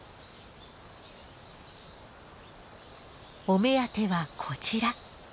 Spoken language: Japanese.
お目当てはこちら。